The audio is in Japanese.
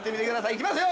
行きますよ！